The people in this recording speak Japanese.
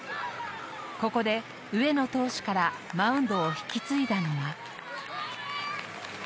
ここで、上野投手からマウンドを引き継いだのは。